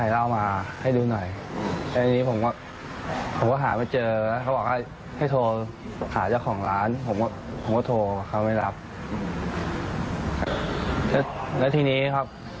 แล้วทีนี้ครับ